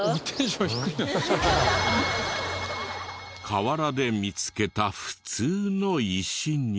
河原で見つけた普通の石に。